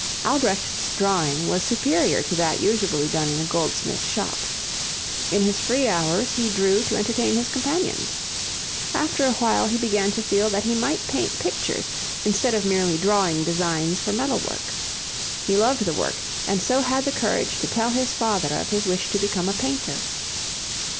Albrecht's drawing was superior to that usually done in a goldsmith's shop. In his free hours he drew to entertain his companions. After a while he began to feel that he might paint pictures instead of merely drawing designs for metal work. He loved the work and so had the courage to tell his father of his wish to become a painter.